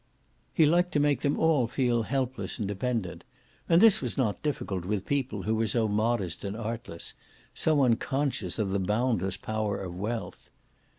He liked to make them all feel helpless and dependent, and this was not difficult with people who were so modest and artless, so unconscious of the boundless power of wealth.